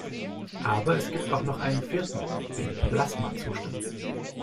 Aber es gibt auch noch einen vierten: Den Plasmazustand.